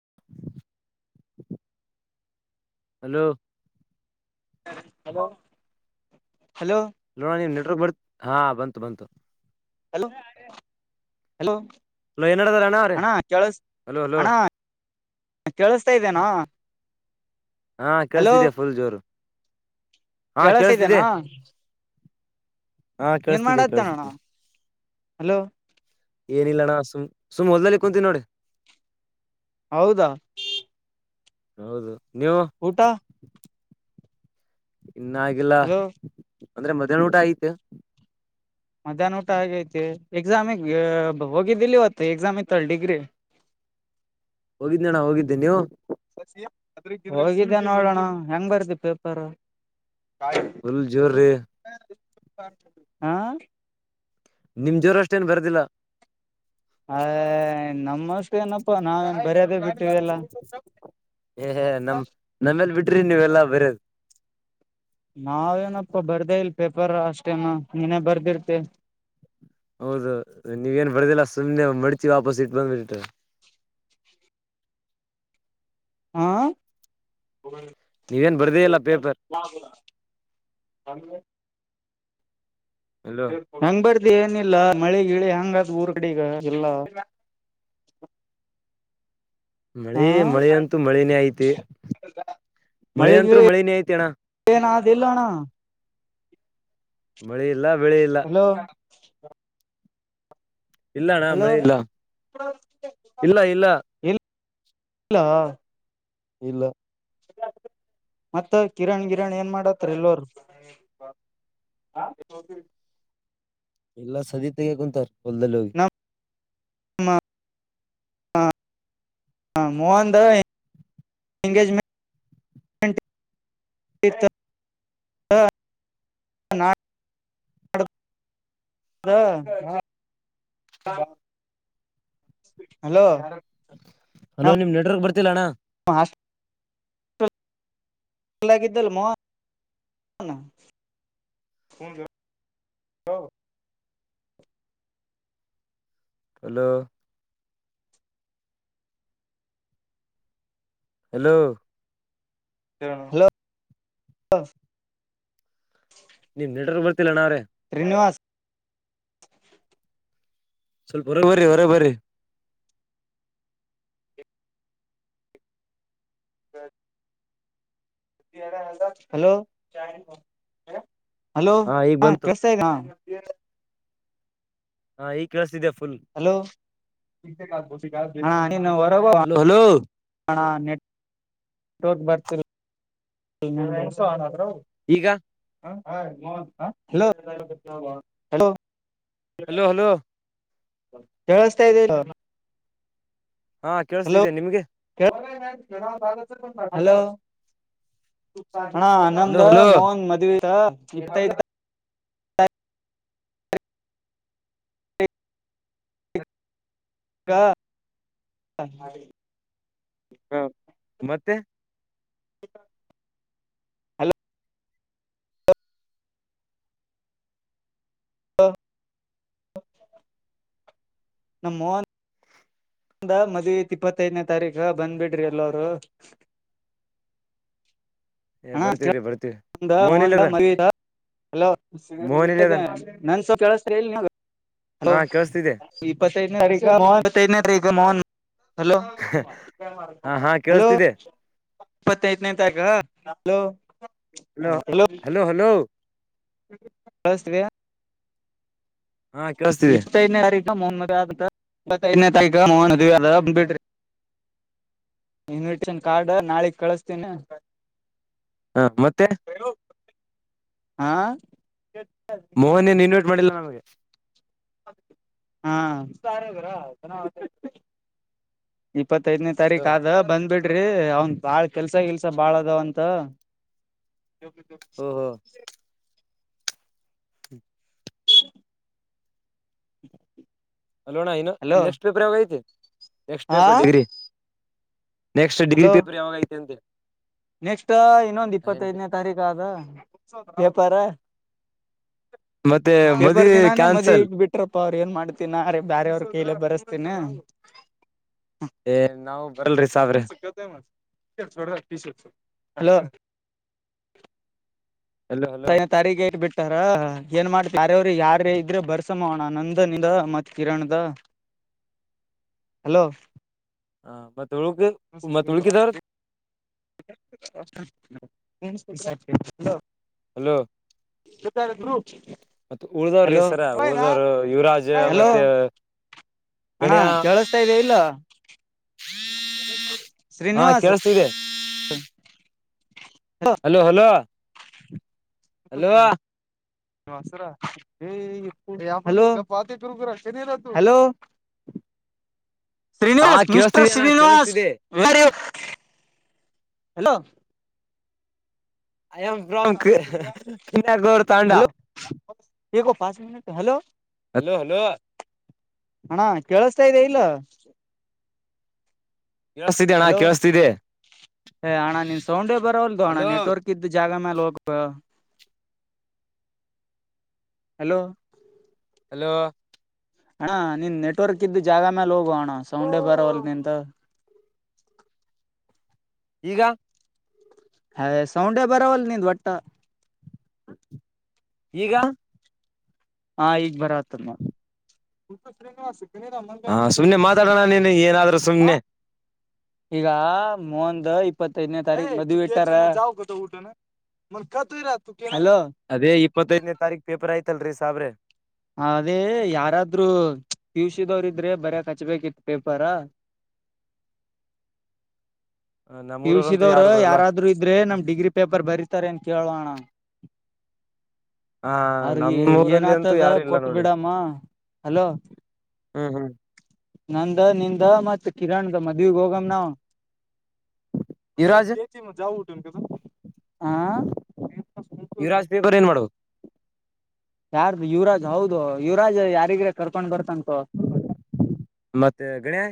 [inaudible] Hello. Hello. Hello ಲೋ ನಿನ್ನ network ಬರ್. ಹಾ ಬಂತು ಬಂತು. Hello hello. ಹಲೋ ಏನ್ಡದಾರ ಅಣ್ಣ ಅವ್ರೆ ಅಣ್ಣಾ ಕೇಳಸ್ ಹಲೋ ಹಲೋ ಅಣ್ಣಾ ಕೇಳುಸ್ತಾ ಇದ್ದೇನ. ಹಾ ಕೇಳಸ್ತಿದ್ದೆ ಫುಲ್ ಜೋರು ಹಾ ಕೇಳಸ್ತಿದ್ದೆ. ಕೇಳಸ್ತಿದ್ದೇನಾ ಏನ್ ಮಾಡ್ದಣೋಣ ಹಲೋ ಏನಿಲ್ಲ ಅಣ್ಣ ಸುಮ್ ಸುಮ್ ಹೊದ್ಲಲ್ಲಿ ಕುಂತೀನ ನೋಡಿ ಹೌದಾ ಹೌದು ನೀವು ಊಟಾ ಇನ್ನಾಗಿಲ್ಲ ಹಲೋ ಅಂದ್ರೆ ಮಧ್ಯಾಹ್ನ ಊಟ ಆಐತ ಮಧ್ಯಾಹ್ನ ಊಟ ಆಗೈತಿ ಎಕ್ಸಾಮಿಗೆ ಹೋಗಿದ್ದಿಲ್ಲಿ ಹೊತ್ತು ಎಕ್ಸಾಮ್ ಇತ್ತಳ ಡಿಗ್ರಿ ಹೋಗಿದ್ನಣ ಹೋಗಿದ್ದೆ ನೀವು ಹೋಗಿದ್ದ್ಯಾ ನೋಡೋಣ ಹೆಂಗ್ ಬರ್ದಿ ಪೇಪರ್ ಹಲ ಜೋರರೆ ಹಾ ನಿಮ್ ಜೋರ ಅಷ್ಟೇನ್ ಬರ್ದಿಲ್ಲ ಹ ನಮ್ಮಸ್ ಏನಪ್ಪಾ ನಾವ ಬರ [inaudible] ಏ ಹ ನಮ ನಮ್ಮೇಲ್ ಬಿಟ್ರಿ ನೀವೆಲ್ಲಾ ಬರದು ನಪ್ಪ ಬರ್ದೇ ಇಲ್ ಪೇಪರ್ ಅಷ್ಟೇನ ನೀನೇ ಬರ್ದಿರ್ತೆ ಹೌದು ನೀವೇಏನ್ ಬರ್ದಿಲ್ಲ ಸುಮಮ್ಮನೆ ಮಡಚೀ ವಾಪಸ ಇಟ್ ಬಂದ್ಬಿಟ್ಟು ಆಾ ಹ್ಮ್ ನೀವೇನ್ ಬರ್ದೇ ಇಲ್ಲ ಪೇಪರ್ [inaudible] ಅಲೋ ಹಂಗ್ ಬರ ಇ ಏನಿಲ್ಲ ಮಳೆ ಗಿಳಿ ಹಂಗಾದ ಊರ್ಗಡೆಗ ಎಲ್ಲ ಹಾ ಮಳೆ ಮಳೆ ಅಂತೂ ಮಳನೇ ಐತಿ ಮಳೆ ಅಂತೂ ಮಳನೇ ಐತಿ ಅಣ್ಣ ಲ್ಲಣ ಬೆಳಿ ಇಲ್ಲ ಬೆಳಿ ಇಲ್ಲ ಹ್ಮ್ ಇಲ್ಲ ಅಣ್ಣ ಹಲೋಲ ಮಳಿ ಇಲ್ಲ ಇಲ್ಲ ಇಲ್ಲ ಇಲ್ಲ ಮತ್ತ ಕಿರಣ್ ಗಿರಣ್ ಏನ್ ಮಾಡಾತ್ರ ಎಲ್ಲೋರು ಎಲ್ಲಾ ಸದೀತೆಗ ಕುಂತಾರ್ ಒಂದಲು ಹಾ ಹ ಮೋಹನ್ದ ಎಂಗೇಜ್ಮೆಟ್ [unintelligible] ಹಲೋ ಹಲೋ ನಮ್ ನಿಮ್ ನೆಟ್ವರ್ಕ್ ಬರ್ತಿಲ್ಲ ಅಣ್ಣ ಹಾಸ್ಟೆಲ್ ಲಿದ್ದಲ್ [unintelligible] ಹಲೋ ಹಲೋ ಹಲೋ. ನೀವ್ ನೆಡರ್ ಬರ್. ತಿಳನ. ಅಣ್ಣಾವ್ರಿ ಶ್ರೀನಿವಾಸ್ ಸ್ವಲ್ಪ ಹೊರಬ್ರರಿ ಹೊರೋಬ್ರಿ. ಹ. ಹಲೋ. ಹಲೋ ಈಗ ಹಾ ಬಂತು ಕಸ್ಯಗಾ. ಈ. ಹಾ ಈಗ್ ಕೇಳಿಸಸತಿದ್ದೆ. ಹಲೋ. ಹಲೋ ಹಲೋ ಬರ್ತ. ಹೌದು ಈಗ ಹ. [inaudible] ಲೋಲೋ. Hello hello. ಕೇಳಸ್ತಾ ಇದದೆ. ಹಾ ಕೇಳಸ್ದಿದ್ದೇ ನಿಮ್ಗೆ. ಹಲೋ. ಹ ಹಲೋ ಆನಂದ ಹಲೋ ಮೋಹನ್ ಮದುವೆ. ಇಾಯತ. ಹಾ. ಹಾ ಮತ್ತೆ. ಹಲೋ ಹಾ. ನಮ್ಮ ಮೋನ್. ಒಂದ ಮದ್ೆ ಇಪ್ಪತ್ತೈದನೇ ತಾರೀಕ ಬಂದ್ಬಿಡ್ರಿ ಎಲ್ಲರು. ಏ ಬರ್ತೀವಿ್ರೀ ಬರ್ತೀವಿರಿ. ಮಂದ ಮಹಂದಾ ಮಹದಾ. ಹಲೋ. ಮೋಹನ್ ಎಲ್ಲಿ ಅದಾನ್ ನ ಸ್ವಲ್ಪ. [inaudible] ಹಲೋ ಹಾ ಕೇಳಸ್ತಿದೆ ಇಪತ್ ಮ ತ ತಗ ಮೋಹನ್. ಹಲೋ ಹಾ ಹಾ ಹಲೋ. ಕೇಳಸ್ತಿದೆ ಇಪ್ಪತ್ತೈದನೇ ತಕ ನ. Hello hello hello. ಫಸ್ಟ್ ವ. ಹಾ ಕೇಳಸ್ತೀವಿ. ಮ ಮದ ಆನೇ ತಕ ಮನ್ದ ಅಂದ ಬಿಡ್ರಿ ಇನ್ವಿಟೇಶನ್ ಕಾರ್ಡ್ ನಾಳಿಗ್ ಕಳಸ್ತೀನ ಹಾ ಮತ್ತೆ ಹಾ ಮೋಹನ ನಿನ್ನ [inaudible] ಮಾಡಿಲ್ಲ ನಮಗೆ ಹಾ [inaudible] ಇಪ್ಪತ್ತೈದನೇಾರೀು ಆದ ಬಂದ್ಬಟ್ಟು ಡ್ರಿ ಅವನ್ ಬಾಳ್ ಕೆಲ್ಸ ಕೆಲ್ಸ ಬಾಳ ಅದಾವಂತ ಯಕ [inaudible] ಓಹೋ ಹ್ಮ [inaudible] ಹ್ಮ [inaudible] ಅಲೋಣ ಇನ್ನು ನೆಕ್ಸ್ಟ್ ಪೇಪರ್ ಯಾವ ಐತಿ next paper degree next degree hello paper ಯಾವಾಗೈತೆ ಅಂತೆ ನೆಕ್ಸ್ಟ್ ಇನ್ನೊಂದ್ ಇಪ್ಪತ್ತೈದನೇ ತಾರೀಕ ಆದ ಪೇಪರ ಮತ್ತೆ ಮದುವೆ ಕ್ಯಾನ್ಸಲ್ ಪಪ್ಪ ಅವ್ರರು ಏನ್ ಮಾಡ್ತಿನ ಅರೆ ಬೇರೆ ಅವ್ರರು ಕೈಲೆ ಬರಸ್ತಿನ ಏ ನಾವವು ಬರಲ್ರಿ ಸಾವಿರಿ ಸೋಡ [inaudible] ಹಲೋ ಹಲೋ ಹಲೋ ತರಿಗೆ ಬಿಟ್ಟು ರ ಏನ್ ಮಾಡ್ತ ಯಾರ್ಯವ್ರ ಯಾರ ಇದ್ರೆ ಬರ್ಸೋಣ ನಂದನದ ಮತ್ ಕಿರಣದ ಹಲೋ ಹಾ ಮತ್ತ [unintelligible] [unintelligible] ಹಲೋ. [inaudible] ಮತ್ತ ಉಳ್ದವ ಹಲೋ ರೀಸರ ಉಳ್ದವರು ಯುವರಾಜ್ ಹಲೋ ಮತ್ತೆ ಅಣ್ಣ ಗಣ್ಯಾ ಕೇಳಸ್ತಾ ಇದೆ ಇಲ್ಲ ಹಾ ಶ್ರೀನಿವಾಸ್ ಕೇಳಸ್ತಿದೆ ಅಲೋ ಹಲೋ ಹಲೋ ವಾಸರ [inaudible] ಹಲೋ ಪರಿ ಹಲೋ ಹಾ ಶ್ರೀನಿವಾಸ ಮಿಸ್ಟರ ಕೇಳಸ್ತಿದೆ ಅಣ್ಣ ಶ್ರೀನಿವಾಸ ಕೇಳಸ್ತಿದೆ [unintelligible] ಹಲೋ ಏನ್ ಬ್ರೋ ಕ ಹ್ಮ ಹ್ಮ ನೀನ್ಯಾರ ಗೋರ್ ತಾಂಡಾ ಹಲೋ ಹೇಗೋ pass minute hello. Hello hello. ಅಣ್ಣಾ ಕೇಳಸ್ತಾ ಇದೆ ಇಲ್ಲ. ಕೇಳಸ್ತಿದೆ ಅಣ್ಣ ಹಲೋ ಕೇಳಸ್ತಿದೆ ಏ ಅಣ್ಣ ನೀನ್ ಸೌಂಡೇ ಬರವಲ್ದು ಅಣ್ಣ ಹಲೋ ನೆಟ್ವರ್ಕ್ ಇದ್ದ ಜಾಗ ಮ್ಯಾಲ ಹೋಗ್ಬೇ. ಹಲೋ. ಹಲೋ. ಅಣ್ಣ ನೀನ್ ನೆಟ್ವರ್ಕ್ ಇದ್ದ ಜಾಗಾ ಮ್ಯಾಲ ಹೋಗು ಅಣ್ಣ ಸೌಂಡೇ ಬರವಲ್ದು ನಿಂದು. ಈಗ. ಹೆ ಸೌಂಡ ಬರವಲ್ದ ನಿಂದ್ ಒಟ್ಟ. ಈಗ. ಹಾ ಈಗ್ ಬರಾತದ ನೋಡ್. ಹಾ ಸುಮ್ಮನೆ ಮಾತಾಡಣ ನೀ ನೀನ್ ಏನಾದರೂ ಸುಮ್ನೆ. ಈಗ ಮುಂದ ಇಪ್ಪತ್ತೈದನೇ ತಾರೀಕ್ ಮದ್ವಿ ಇಟ್ಟಾರ. ಹಲೋ ಅದೇ ಎಪ್ಪತ್ನೈದ್ನೆ ತಾರೀಕ ಪೇಪರ್ ಆಯತಲ್ರಿ. ಸಾಬರೆ. ಅದೇ ಯಾರಾದ್ರು ಪಿಯುಸಿದವ್ರ ಇದ್ರೆ ಬರೆಕಾ ಕಚ್ಬೇಕಿತ್ತ ಪೇಪರ. ಪಿ ಯು ಸಿ ನಮ್ಮೂರವ್ರಂತೂ ದವ್ರ ಯಾರು ಬರಲ್ಲ ಯಾರಾದ್ರು ಇದ್ರೆ ನಮ್ ಡಿಗ್ರಿ ಪೇಪರ್ ಬರೀತಾರೆ ಏನ್ ಕೇಳೊ ಅಣ್ಣ. ಹ ಅವ್ರಿಗೆ ಏನ ನಮ್ಮೂರಲ್ಲಿ ಅಂತೂ ಆತದ ಯಾರು ಇಲ್ಲ ಕೊಟ್ ನೋಡಿ ಬಿಡಮ ಹಲೋ. ಹ್ಮ್ ಹ್ಮ್ ನಂದ ನಿಂದ ಮತ್ತ ಕಿರಣ್ದ ಮದ್ವಿಗ ಹೋಗಮ ನಾವು. [inaudible] ಒಂದ್ ಕೆಲ್ಸ ಮಾಡ್. ಯವರಾಜ್ ಪೇಪರ್ ಏನ್ ಮಾಡುದು. ಯಾರ್ದು ಯುವರಾಜ್ ಹೌದು ಯುವರಾಜ್ ಯಾರಿಗ್ರ ಕರ್ಕೊಂಡ್ ಬರ್ತ. ಮತ್ತೆ ಗಣ್ಯಾ.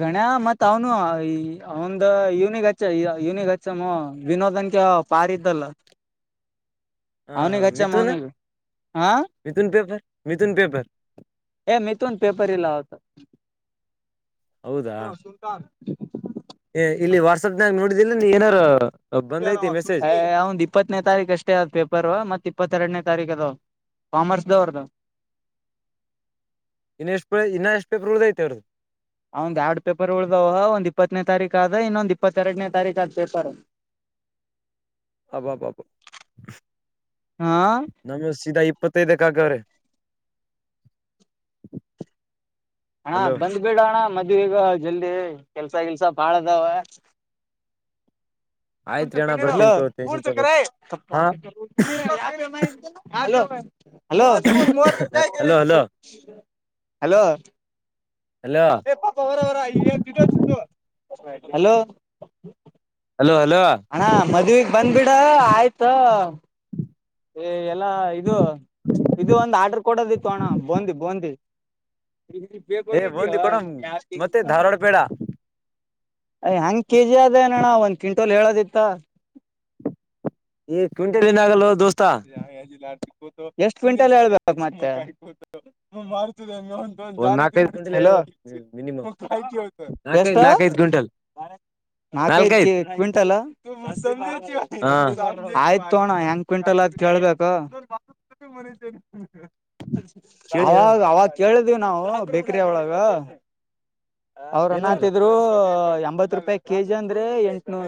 ಗಣ್ಯಾ ಮತ್ತ ಅವನು ಈ ಅವಂದ ಯೂನಿಗ್ ಹಚ್ಚ ಯೂನಿಗೆ ಹಚ್ಚಮ್ಮ ವಿನೋದನ್ಕ ಪಾರ ಇದ್ದಲ್ಲ. ಹಾ ಹಾ ಅವ್ನಿಗ್ ಹಚ್ಚಮ್ಮ ಮಿಥುನ್ ಅವ್ನಿಗೆ ಹಾ ಮಿಥುನ್ ಪೇಪರ್. ಮಿಥುನ್ ಪೇಪರ್. ಎ ಮಿಥುನ್ ಪೇಪರ ಇಲ್ಲ ಅವತ್. ಹೌದಾ ಹ ಸುಲ್ತಾನ. [inaudible] ಇಲ್ಲಿ ವಾಟ್ಸಪ್ನಾಗ ನೋಡಿದಿಲ್ಲ ನೀ ಏನಾರ ಬಂದೈತಿ ಮೆಸೇಜ್ ಅವಂದ್ ಇಪ್ಪತ್ತನೇ ತಾರೀಕ ಅಷ್ಟೇ ಅದ ಪೇಪರ್ ಮತ್ತ ಇಪ್ಪತ್ತೆರಡನೇ. ತಾರಿಕ್ ಇದಾವ ಕಾಮರ್ಸ್ದವ್ರದ. ಇನ್ನ ಎಷ್ಟು ಇನ್ನ ಎಷ್ಟು ಪೇಪರ್ ಉಳ್ದೈತಿ ಅವ್ರದು. ಅವಂದ್ ಎರಡ್ ಪೇಪರ್ ಉಳ್ದವ ಒಂದ್ ಇಪ್ಪತ್ತನೇ ತಾರೀಕ ಆದ ಇನ್ನೊಂದ್ ಇಪ್ಪತ್ತೆರಡನೇ ತಾರೀಕ ಆದ್ ಪೇಪರ್. ಅಬಬಬ ಹಾ ನಮ ಸೀದಾ ಇಪ್ಪತ್ತು. ತ್ತದಕ್ಕಾಗ ಅವ್ರೆ. ಅಣ್ಣಾ ಬಂದ್ಬೇಡೋಣ ಮತ್ತೆ. ಈಗ ಜಲ್ದಿ ಕೆಲ್ಸ ಗಿಲ್ಸ ಬಾಳದಾವ. ಆಯ್ತ್ರಿ ಅಣ್ಣ ಹಲೋ ಬರ್ತೀನಿ ತೋ ಟೆನ್ಷನ್ ತಗೋ ಹಾ hello hello hello hello [inaudible] hello ಏ ಪಾಪ ಅವರವರ ನ್ಂತತ್ತು [unintelligible] ಹಲೋ. ಹಲೋ ಹಲೋ ಅಣ್ಣಾ ಮದ್ವಿಗೆ ಬ್ಯಾಂಡ್ಬಿಡ್ಡ್ ಆಯ್ತ. ಈ ಎಲ್ಲ ಇದು ಇದು ಒಂದು ಆರ್ಡ್ರ ಕೊಡೋದಿತ್ತು ಅಣ್ಣ ಬೋಂಧಿ ಬೋಂಧಿ. ಇ ಬೇ ಏ ಬೋಗಿತಿಿ ಬೂಂದಿ ಹ ಕೊಡ ಯ ಮತ್ತೆ ಧಾರವಾಡ ಪೇಡ [unintelligible] ಅಯ ಹ್ಯಾಂಗ್ ಕೆಜಿ ಆದ ಅಣ್ಣ ಒಂದ್ ಕ್ವಿಂಟೋಲ್ ಹೇಳೋದಿತ್ತ. ಈ ಕ್ವಿಂಟಲೀಂದ ಆಗಲ್ಲ ದೋಸ್ತ. ಜಿಿಲ್ಲತಿ [inaudible] ಎಷ್ಟ್ ಕ್ವಿಂಟಲ್ ಹೇಳ್ಬೇಕು ಮತ್ತೆ. ಒಂದ್ ನಾಲ್ಕೈದು ಕ್ವಿಂಟಲ್ ಹಲೋ ಹೇಳ್ಬೇಕು ಮಿನಿಮಮ್ ಎಷ್ಟ ನಾಲ್ಕೈದು ನಾಲ್ಕೈದು ಕ್ವಿಂಟಲ್ ನಾಕ ಐದ ಕೆ ನಾಲ್ಕೈದ್ ಕ್ವಿಂಟಲ್ ಹಾ ಆಯ್. ತೋ ಅಣ್ಣಾ ಎಂಗ ಕ್ವಿಂಟಲ್. ಕೇಳ್ಬೇಕೊ. ಕೇಳಿ ಹೇಳ ಅವಾಗ ಅವಾಗ ಕೇಳ. ಈಧವಿ ನಾವು ಬೇಕರಿ ಒಳಗ. ಅವ್ರ ಏನಂದ್ರು ಅಣಾತಿದ್ರು ಎಂಬತ್. ಇ ರೂಪಾಯಿ ಕೆಜಿ ಅಂದ್ರೆ ಎಂಟನೂ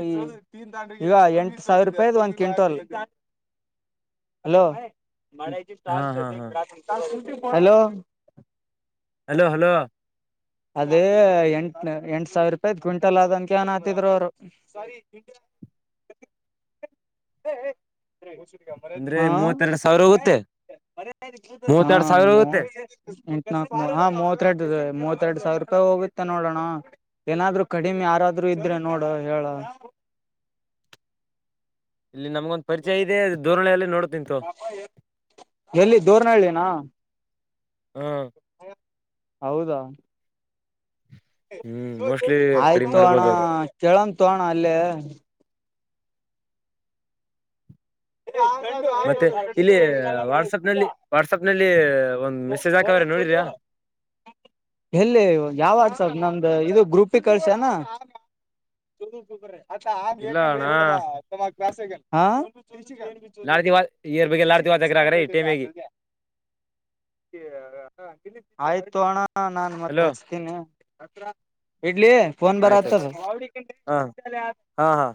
ಈಗ ಎಂಟ ಸಾವಿರ ರೂಪಾಯದ ಒಂದ್ ಕ್ವಿಂಟಲ್. ಹಲೋ. ಮಳ ಹಾ ಸಾಲ್ ಸಾ ಹಾ ಹಾ [unintelligible] ಹಲೋ. Hello hello. ಅದೇ ಎಂಟ ಎಂಟ ಸಾವಿರ ರೂಪಾಯಿದ ಕ್ವಿಂಟಲ್ ಅದ ಅಂತ ಅನಾತಿದ್ರ ಅವರು. ಹ ಹ. ಅಂದ್ರೆ ಮೂವತ್ತೆರಡು ಸಾವಿರ ಹೋಗುತ್ತೆ ಮೂವತ್ತೆರಡು ಸಾವಿರ ಹೋಗುತ್ತೆ ಹಾ ಮೂವತ್ತೆಟ ಮೂವ [unintelligible] ಇತ್ತೆರಡ್ ಸಾವಿರ ರೂಪಾಯಿ ಹೋಗುತ್ತೆ ನೋಡೋಣ ಏನಾದ್ರು ಕಡಿಮೆ ಯಾರಾದ್ರು ಇದ್ರೆ ನೋಡ ಹೇಳು ಇಲ್ಲಿ ನಮ್ಗೊಂದ್ ಪರಿಚಯ ಇದೆ ಧೋರಣಿಯಲ್ಲ ನೋಡ್ ತೊಗೊ ಎಲ್ಲಿ ದೋರ್ನಹಳ್ಳಿನಾ ಹ್ಮ ಹೌದ. ಹ್ಮ್ ಮೋಸ್ಟ್ಲಿ ಕಡಿಮೆ ಆಯ್ತು ಅಣ್ಣ ಮಾಡ್ಬೋದು ಅವ್ರು ಕೇಳಂತೋ ಅಣ್ಣ ಅಲ್ಲೇ. ಮತ್ತೆ ಇಲ್ಲಿ ವಾಟ್ಸ್ಆ್ಯಪ್ ನಲ್ಲಿ ವಾಟ್ಸ್ಆ್ಯಪ್ ನಲ್ಲಿ ಒಂದ. ಎಲ್ಲಿ ಯಾವ ವಾಟ್ಸ್ಆ್ಯಪ್. ನಮ್ದ ಇದು ಗ್ರೂಪ್ಗೆ ಕಳ್ಸಿ ಏನ್. [inaudible] ಇಲ್ಲ ಅಣ್ಣ ಹಾ. [inaudible] ಲಾಡ್ತಿ ಇಯರ್ ಬಗ್ಗೆ ಲಾಡ್ತಿ ವಾತಾಗ್ರ ಆಗ್ರ ಈ ಟೈಮಿಗೆ ಆಯ್ತು ಅಣ ಹಾ ನಾನ್ ಹಲೋ ಮತ್ತತ್ ಹಚ್ತೀನಿ ಅತ್ರ ಇ ೋನ್ ಬರ ಆಯ್ತಾಯ್ತು ಹಾ ಹಾ ಹಾ.